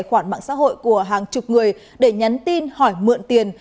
tài khoản mạng xã hội của hàng chục người để nhắn tin hỏi mượn tiền